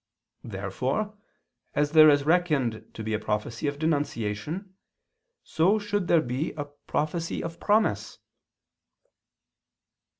Therefore as there is reckoned to be a prophecy of denunciation, so should there be a prophecy of promise.